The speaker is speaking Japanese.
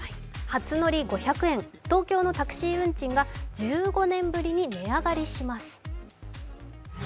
初乗り５００円、東京のタクシー運賃が１５年ぶりに値上がりします。